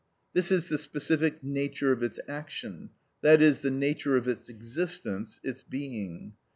This is the specific nature of its action, i.e., the nature of its existence, its being.